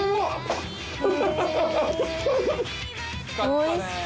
おいしそ。